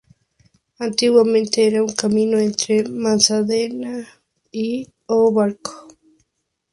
Antiguamente era un camino entre Manzaneda y O Barco.